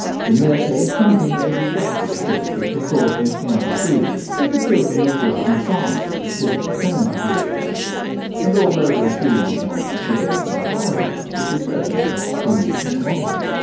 In their case something may be justly attributed to coarse and scanty food ; but the children of working farmers exhibit the same peculiarity, and although their food is not luxurious in quality, it is certainly not stinted in quantity.